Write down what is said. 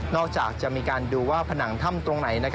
จากจะมีการดูว่าผนังถ้ำตรงไหน